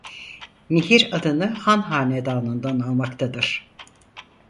Nehir adını Han Hanedanı'ndan almaktadır.